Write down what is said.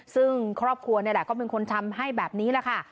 ซึ่งครอบครัวนี่แหละก็เป็นคนทำให้แบบนี้แหละค่ะ